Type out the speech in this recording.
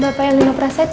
bapak elinopraset ya